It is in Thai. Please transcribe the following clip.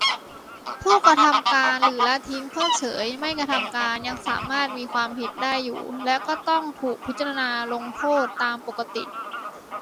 ผู้กระทำการหรือละทิ้งเพิกเฉยไม่กระทำการ ยังสามารถมีความผิดได้อยู่ และก็ต้องถูกพิจารณาลงโทษตามปกติ